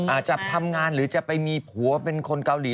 อาจจะทำงานหรือจะไปมีผัวเป็นคนเกาหลี